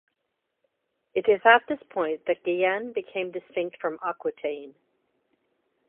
It is at this point that Guyenne became distinct from Aquitaine.